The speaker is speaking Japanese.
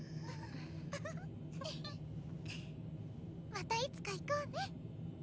またいつか行こうね。